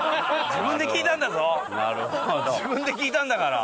自分で聞いたんだから。